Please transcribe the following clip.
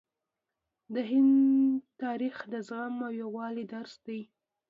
د هند تاریخ د زغم او یووالي درس دی.